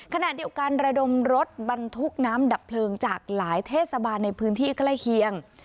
ขณะเดียวกันระดมรถบรรทุกน้ำดับเพลิงจากหลายเทศบาลในพื้นที่ใกล้เคียง